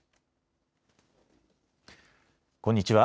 こんにちは。